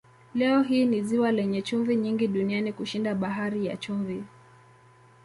Leo hii ni ziwa lenye chumvi nyingi duniani kushinda Bahari ya Chumvi.